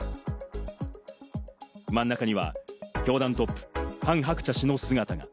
真ん中には教団トップ・ハン・ハクチャ氏の姿も。